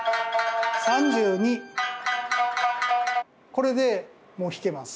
これでもう弾けます。